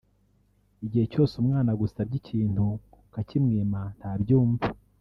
Igihe cyose umwana agusabye ikintu ukakimwima ntabyumva